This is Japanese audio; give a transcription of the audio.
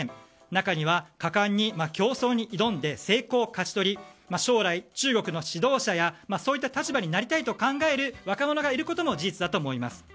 中には、果敢に競争に挑んで成功を勝ち取り将来、中国の指導者やそういった立場になりたいと考える若者がいることも事実だと思います。